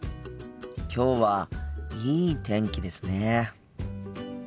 きょうはいい天気ですね。